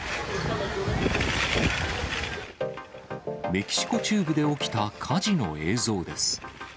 メキシコ中部で起きた火事の映像です。